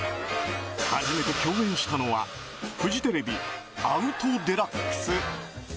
初めて共演したのはフジテレビ「アウト×デラックス」。